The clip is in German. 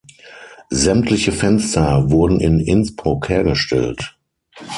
Sämtliche Fenster wurden in Innsbruck hergestellt.